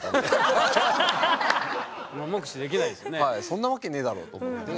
そんなわけねえだろ！と思って。